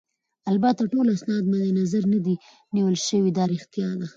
البته ټول اسناد مدنظر نه دي نیول شوي، دا ريښتیا ده.